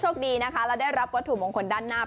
อย่างแรกเลยก็คือการทำบุญเกี่ยวกับเรื่องของพวกการเงินโชคลาภ